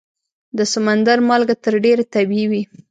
د سمندر مالګه تر ډېره طبیعي وي.